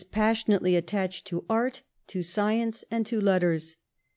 passionately attached to art, to science, and to letters.